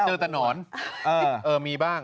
เจอแต่หนอนมีบ้าง